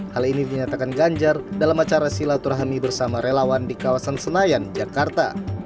hal ini dinyatakan ganjar dalam acara silaturahmi bersama relawan di kawasan senayan jakarta